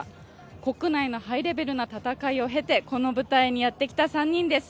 国内のハイレベルな戦いを経て、この舞台にやってきた３人です。